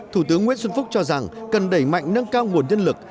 thủ tướng nguyễn xuân phúc cho rằng cần đẩy mạnh nâng cao nguồn nhân lực